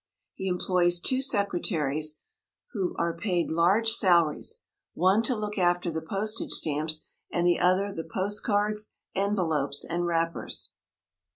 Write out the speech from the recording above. He employs two secretaries who are paid large salaries, one to look after the postage stamps and the other the post cards, envelopes, and wrappers.